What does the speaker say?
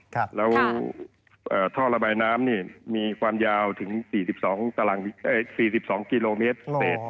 แล้วท่อระบายน้ำนี่มีความยาวถึง๔๒กิโลเมตรเศษ